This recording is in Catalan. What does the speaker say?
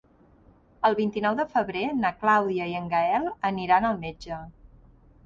El vint-i-nou de febrer na Clàudia i en Gaël aniran al metge.